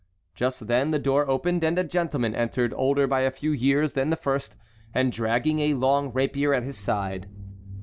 Just then the door opened and a gentleman entered older by a few years than the first, and dragging a long rapier at his side.